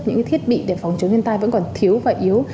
những thiết bị để phòng chống thiên tai vẫn còn thiếu và yếu